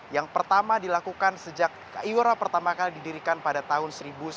yang pertama dilakukan sejak iora pertama kali didirikan pada tahun seribu sembilan ratus sembilan puluh